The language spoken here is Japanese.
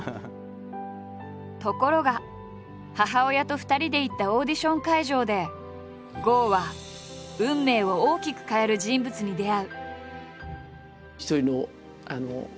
ところが母親と２人で行ったオーディション会場で郷は運命を大きく変える人物に出会う。